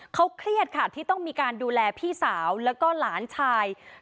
เขาเครียดค่ะที่ต้องมีการดูแลพี่สาวแล้วก็หลานชาย